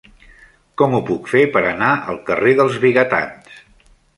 Com ho puc fer per anar al carrer dels Vigatans?